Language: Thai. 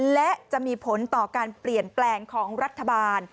และจะมีผลต่อการเปลี่ยนแปลงของรัฐบาล